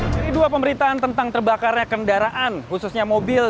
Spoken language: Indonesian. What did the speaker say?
dari dua pemberitaan tentang terbakarnya kendaraan khususnya mobil